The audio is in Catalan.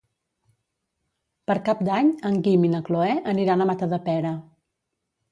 Per Cap d'Any en Guim i na Cloè aniran a Matadepera.